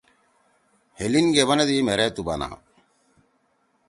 ہے لین گے بنَدی مھیرے تُو بنا۔